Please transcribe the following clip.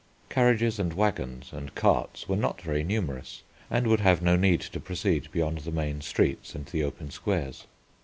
Carriages and waggons and carts were not very numerous and would have no need to proceed beyond the main streets and the open squares.